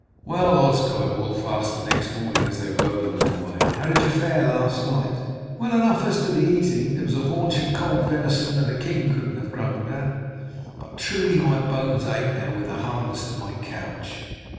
"Well, Osgod," Wulf asked the next morning as they rode on their way, "how did you fare last night?" "Well enough as to the eating, there was a haunch of cold venison that a king needn't have grumbled at, but truly my bones ache now with the hardness of my couch.